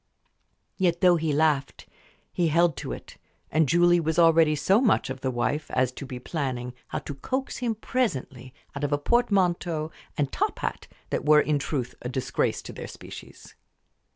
Yet though he laughed, he held to it; and Julie was already so much of the wife as to be planning how to coax him presently out of a portmanteau and a top hat that were in truth a disgrace to their species.